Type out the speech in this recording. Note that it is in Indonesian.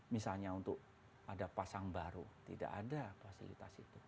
misalnya untuk ada pasang baru tidak ada fasilitas itu